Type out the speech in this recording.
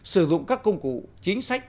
sử dụng các công cụ chính sách